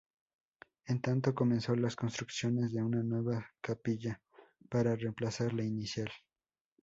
En tanto comenzó las construcciones de una nueva capilla para reemplazar la inicial.